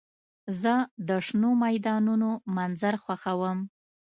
زه د شنو میدانونو منظر خوښوم.